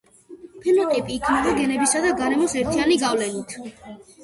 ფენოტიპი იქმნება გენებისა და გარემოს ერთიანი გავლენით.